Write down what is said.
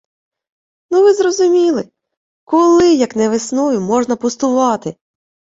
Ну ви зрозуміли: коли, як не весною, можна пустувати?